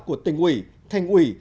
của tỉnh uỷ thành uỷ